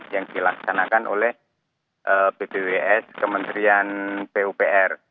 yang dilaksanakan oleh bpws kementerian pupr